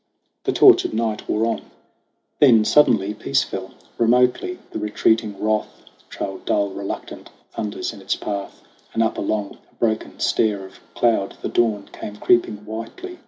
The tortured night wore on ; then suddenly Peace fell. Remotely the retreating Wrath Trailed dull, reluctant thunders in its path, And up along a broken stair of cloud The Dawn came creeping whitely.